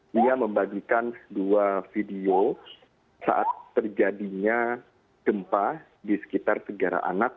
dia membagikan dua video saat terjadinya gempa di sekitar segara anak